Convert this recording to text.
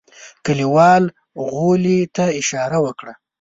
کليوال غولي ته اشاره وکړه.